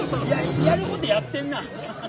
やることやってんな。